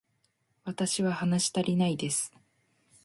私は話したりないです